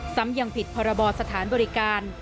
ซ้ำยังผิดพรบสถานบริการ